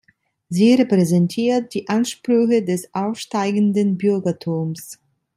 Sie repräsentiert die Ansprüche des aufsteigenden Bürgertums.